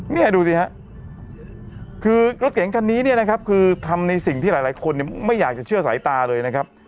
เนี่ยดูสิฮะคือรถเก๋งคันนี้เนี่ยนะครับคือทำในสิ่งที่หลายคนไม่อยากจะเชื่อสายตาเลยนะครับ